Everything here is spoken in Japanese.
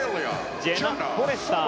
ジェナ・フォレスター。